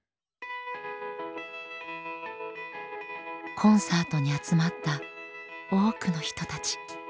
コンサートに集まった多くの人たち。